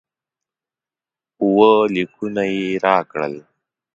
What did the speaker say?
اووه لیکونه یې راکړل.